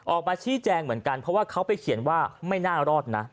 ออกมาชี้แจงเหมือนกันเพราะว่าเขาไปเขียนว่าไม่น่ารอดนะ